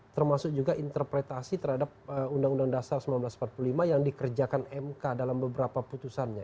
termasuk juga interpretasi terhadap undang undang dasar seribu sembilan ratus empat puluh lima yang dikerjakan mk dalam beberapa putusannya